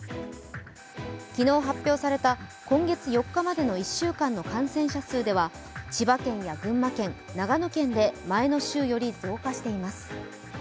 昨日発表された今月４日までの１週間の感染者数では千葉県や群馬県、長野県で前の週より増加しています。